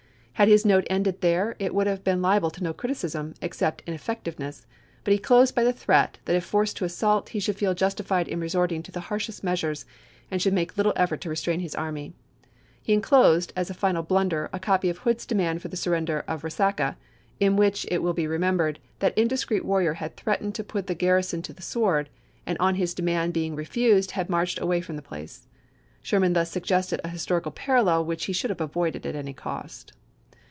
Had his note ended there, it would have been liable to no criticism, except ineffectiveness ; but he closed by the threat, that if forced to assault, he should feel justified in resorting to the harshest measures, and "Memoirs.'" should make little effort to restrain his army. He pp 210> 211. inclosed, as a final blunder, a copy of Hood's demand for the surrender of Resaca, in which, it will be remembered, that indiscreet warrior had threatened to put the garrison to the sword, and on his demand being refused had marched away from the place ; Sherman thus suggesting a historical parallel which he should have avoided at any cost.